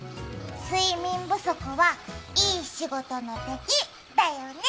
睡眠不足は、いい仕事の敵だよね